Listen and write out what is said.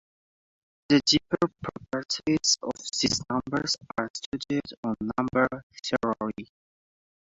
The deeper properties of these numbers are studied in number theory.